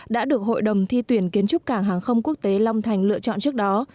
đã được hội đồng thi tuyển kiến trúc cảng hàng không quốc tế long thành lựa chọn trước đó